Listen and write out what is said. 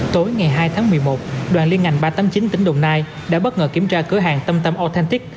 tối ngày hai tháng một mươi một đoàn liên ngành ba trăm tám mươi chín tỉnh đồng nai đã bất ngờ kiểm tra cửa hàng tâm tâm otentic